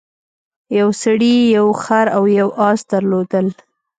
یو سړي یو خر او یو اس درلودل.